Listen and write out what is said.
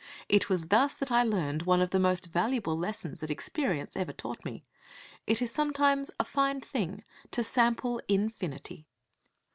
It was thus that I learned one of the most valuable lessons that experience ever taught me. It is sometimes a fine thing to sample infinity.